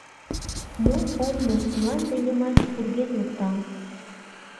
Мом ом му — мланде йымач пургед луктам.